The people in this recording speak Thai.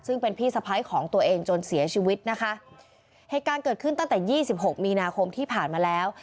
ซึ่งเป็นพี่สะพ้ายของตัวเองจนเสียชีวิตนะคะเหตุการณ์เกิดขึ้นตั้งแต่ยี่สิบหกมีนาคมที่ผ่านมาแล้ว